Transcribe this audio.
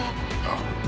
ああ。